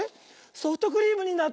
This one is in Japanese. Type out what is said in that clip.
ソフトクリームになった！